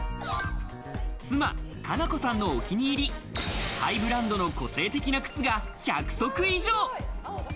妻・加奈子さんのお気に入り、ハイブランドの個性的な靴が１００足以上。